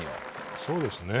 そうですね。